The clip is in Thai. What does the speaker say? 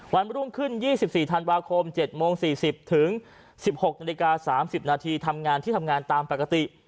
วันรุ่งขึ้น๒๔ธันวาคม๗โมง๔๐ถึง๑๖นาฬิกา๓๐นาทีทำงานที่ทำงานตามปกติ